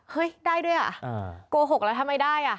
เฮ้ยได้ด้วยอ่ะโกหกแล้วทำไมได้อ่ะ